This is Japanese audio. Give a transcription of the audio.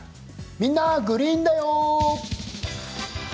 「みんな！グリーンだよ」だよ。